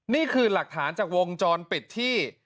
นี่คือหลักฐานจากวงจรปิดที่